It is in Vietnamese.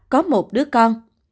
có một đứa con